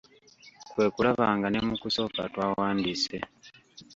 Kwe kulaba nga ne mu kusooka twawandiise.